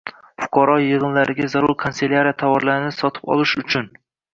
fuqarolar yig‘inlariga zarur kanselyariya tovarlarini sotib olish uchun